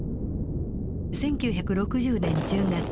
１９６０年１０月。